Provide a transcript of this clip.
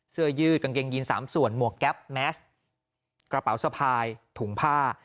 เสื้อยืดกางเกงยีนสามส่วนหมวกแก๊ปแมสกระเป๋าสะพายถุงผ้า